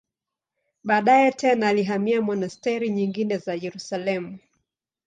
Baadaye tena alihamia monasteri nyingine za Yerusalemu.